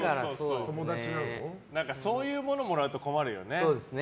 そういう物もらうと困るよね。